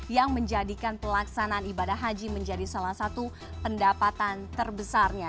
yang menjadikan pelaksanaan ibadah haji menjadi salah satu pendapatan terbesarnya